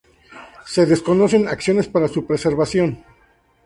Se desconocen acciones para su preservación.